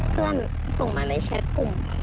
เพื่อนส่งมาในแชทกลุ่ม